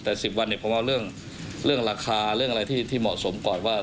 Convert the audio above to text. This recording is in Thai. แต่๑๐วันเนี่ยผมเอาเรื่องราคาเรื่องอะไรที่เหมาะสมก่อนว่า